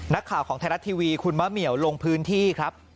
ข่าวของไทยรัฐทีวีคุณมะเหมียวลงพื้นที่ครับ